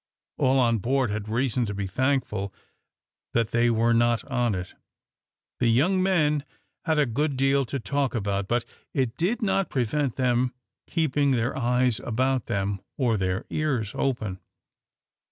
All on board had reason to be thankful that they were not on it. The young men had a good deal to talk about; but it did not prevent them keeping their eyes about them, or their ears open.